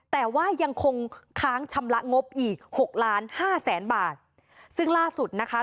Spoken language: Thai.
แต่ว่ายังคงค้างชำระงบอีกหกล้านห้าแสนบาทซึ่งล่าสุดนะคะ